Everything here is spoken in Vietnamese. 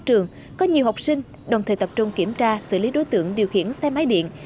trường có nhiều học sinh đồng thời tập trung kiểm tra xử lý đối tượng điều khiển xe máy điện